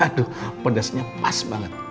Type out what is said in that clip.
aduh pedasnya pas banget